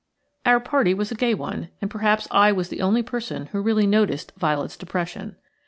Our party was a gay one, and perhaps I was the only person who really noticed Violet's depression.